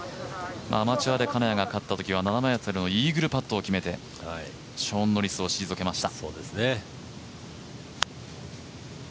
アマチュアで金谷が勝ったときは７ｍのイーグルパットを決めてショーン・ノリスを沈めました。